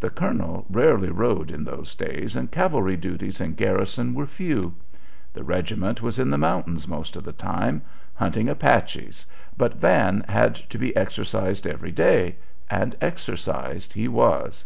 The colonel rarely rode in those days, and cavalry duties in garrison were few. The regiment was in the mountains most of the time, hunting Apaches, but Van had to be exercised every day; and exercised he was.